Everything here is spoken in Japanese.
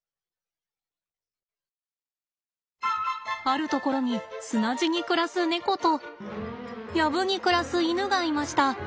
あるところに砂地に暮らすネコと藪に暮らすイヌがいました。